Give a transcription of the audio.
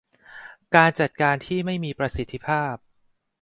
การจัดการที่ไม่มีประสิทธิภาพ